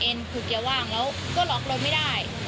ก็เลยใส่ตัวเอ็นผูกเกียร์ว่างแล้วก็ล็อกรถไม่ได้